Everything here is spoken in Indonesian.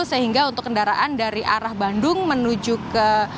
sehingga untuk kendaraan dari arah bandung menuju ke